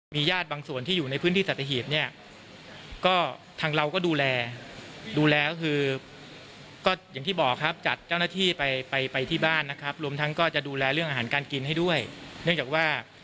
โดยสูญส่วนผสานงานช่วยเหลือนะครับจะยังคงเปิดดำเนินการต่อไปจนกว่า